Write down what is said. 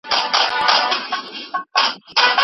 که ميرمن د خاوند د اجازې پرته له کوره ووته، ګناه ئې وکړه.